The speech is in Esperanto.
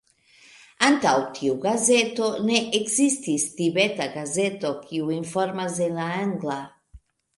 Antaŭ tiu gazeto, ne ekzistis Tibeta gazeto kiu informas en la angla.